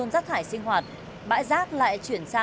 ống bể phốt ống biêu ga